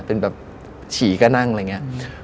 เป็นแบบฉี่ก็นั่งอะไรอย่างนี้